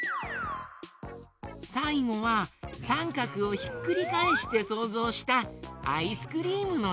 さいごはさんかくをひっくりかえしてそうぞうしたアイスクリームのえだよ。